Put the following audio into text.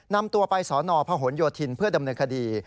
นำตัวไปสนพหนโยธินเพื่อดำเนินคดี